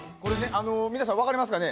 あの皆さん分かりますかね？